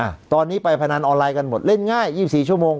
อ่ะตอนนี้ไปพนันออนไลน์กันหมดเล่นง่าย๒๔ชั่วโมง